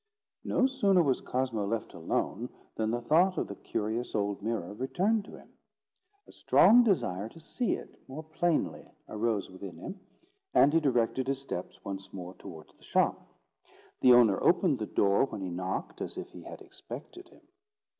No sooner was Cosmo left alone, than the thought of the curious old mirror returned to him. A strong desire to see it more plainly arose within him, and he directed his steps once more towards the shop. The owner opened the door when he knocked, as if he had expected him.